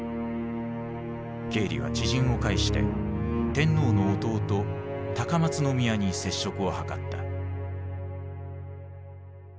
ケーリは知人を介して天皇の弟高松宮に接触を図った。